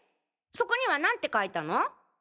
そこにはなんて書いたの？